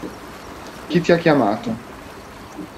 Chi ti ha chiamato?